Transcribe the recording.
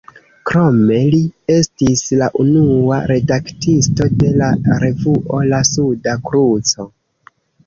Krome li estis la unua redaktisto de la revuo "La Suda Kruco".